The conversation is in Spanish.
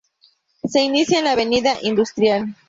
Se inicia en la avenida Industrial.